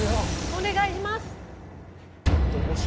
お願いします！